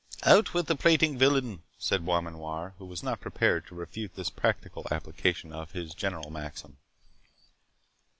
"Out with the prating villain!" said Beaumanoir, who was not prepared to refute this practical application of his general maxim.